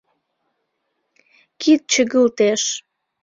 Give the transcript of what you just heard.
Кид чыгылтеш.